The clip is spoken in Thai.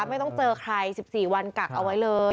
ไม่ต้องเจอใคร๑๔วันกลักตัวเอามันร้อน